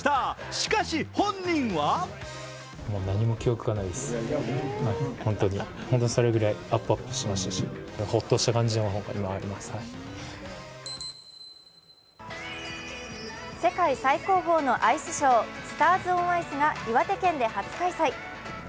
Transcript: しかし、本人は世界最高峰のアイスショー「スターズ・オン・アイス」が岩手県で初開催。